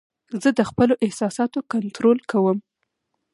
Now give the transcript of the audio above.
زه د خپلو احساساتو کنټرول کوم.